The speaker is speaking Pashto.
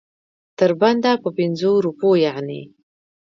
تر بنده په پنځو روپو یعنې.